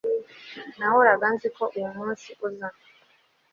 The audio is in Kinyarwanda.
nahoraga nzi ko uyumunsi uza